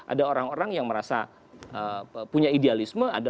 ada orang orang yang merasa punya idealisme